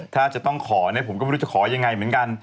ถ้าจะต้องขอเนี่ยผมก็ไม่รู้จะขอยังไงเหมือนกัน